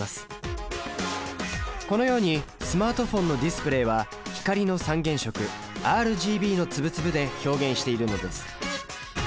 このようにスマートフォンのディスプレイは光の三原色ＲＧＢの粒々で表現しているのです。